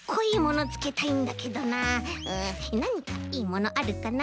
うんなにかいいものあるかな。